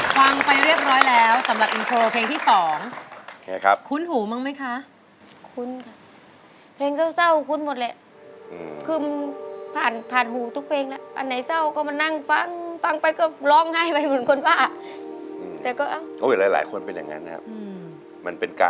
ภารกิจกรรมศักดิ์ภารกิจกรรมศักดิ์ภารกิจกรรมศักดิ์ภารกิจกรรมศักดิ์ภารกิจกรรมศักดิ์ภารกิจกรรมศักดิ์